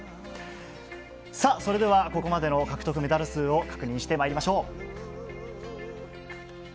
さあ、それではここまでの獲得メダル数を確認してまいりましょう。